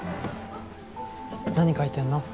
何描いてんの？